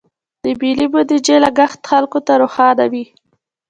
د ملي بودیجې لګښت خلکو ته روښانه وي.